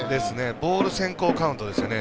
ボール先行カウントですね。